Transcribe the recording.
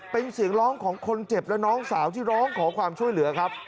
เป็นเสียงร้องของคนเจ็บและน้องสาวที่ร้องขอความช่วยเหลือครับ